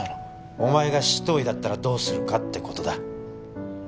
お前が執刀医だったらどうするかって事だ。